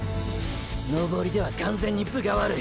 登りでは完全に分が悪い。